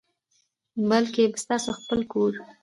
بلکي ستاسو خپل کور،